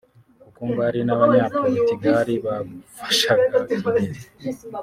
kuko ngo hari n’Abanyaportugal bafashaga Kigeli